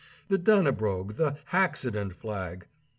The Dannebrog the "haccident flag"!